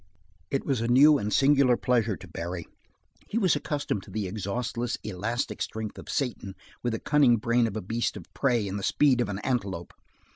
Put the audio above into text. It was a new and singular pleasure to Barry. He was accustomed to the exhaustless, elastic strength of Satan, with the cunning brain of a beast of prey and the speed of an antelope.